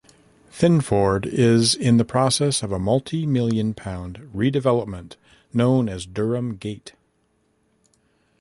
Thinford is in the process of a multimillion pound redevelopment known as Durham Gate.